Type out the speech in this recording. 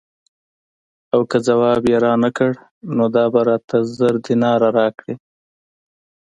او که ځواب یې رانه کړ نو دا به راته زر دیناره راکړي.